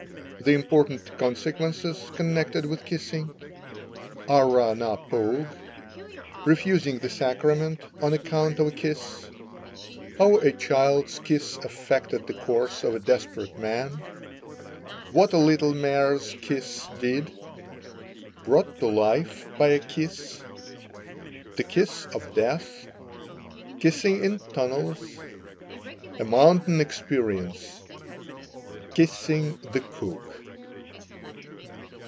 THE IMPORTANT CONSEQUENCES CONNECTED WITH KISSING— ARRAH NA POGUE—REFUSING THE SACRAMENT ON ACCOUNT OF A KISS—HOW A CHILD'S KISS AFFECTED THE COURSE OF A DESPERATE MAN—WHAT A LITTLE MARE'S KISS DID—BROUGHT TO LIFE BY A KISS—THE KISS OF DEATH—KISSING IN TUNNELS—A MOUNTAIN EXPERIENCE—KISSING THE COOK.